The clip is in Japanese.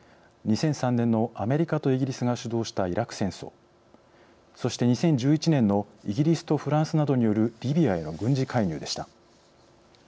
２００３年のアメリカとイギリスが主導したイラク戦争そして２０１１年のイギリスとフランスなどによるリビアへの軍事介入でした。